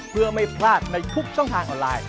เพื่อไม่พลาดในทุกช่องทางออนไลน์